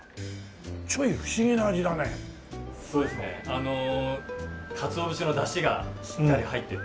あのかつお節のだしがしっかり入ってて。